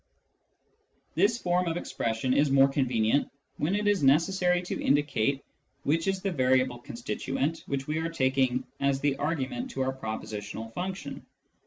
This form of expression is more convenient when it is necessary to indicate which is the variable constituent which we are taking as the argument to our propositional function.